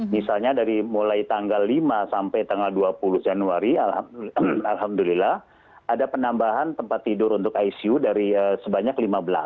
misalnya dari mulai tanggal lima sampai tanggal dua puluh januari alhamdulillah ada penambahan tempat tidur untuk icu dari sebanyak lima belas